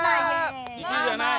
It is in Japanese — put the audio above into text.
１じゃない。